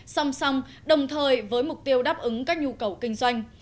song song đồng thời với mục tiêu đáp ứng các nhu cầu kinh doanh